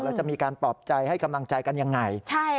แล้วจะมีการปลอบใจให้กำลังใจกันยังไง